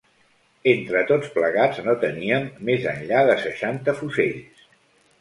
Entre tots plegats no teníem més enllà de seixanta fusells